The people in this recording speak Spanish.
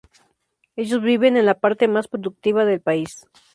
Ellos viven en la parte más productiva del país.